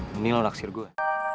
mending lo naksir gue